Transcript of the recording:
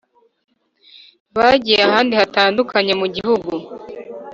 bagiye ahandi hatandukanye mu gihugu